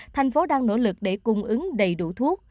thành phố đang nỗ lực để cung ứng đầy đủ thuốc